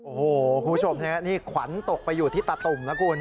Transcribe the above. โอ้โหคุณผู้ชมนี่ขวัญตกไปอยู่ที่ตาตุ่มนะคุณ